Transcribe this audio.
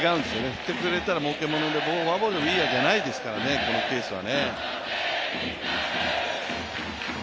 振ってくれたらもうけもので、もうフォアボールでもいいやじゃないですからね、このケースは。